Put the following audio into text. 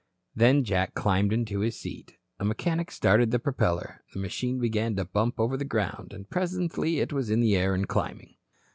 Then Jack climbed into his seat. A mechanic started the propeller, the machine began to bump over the ground, and presently it was in the air and climbing.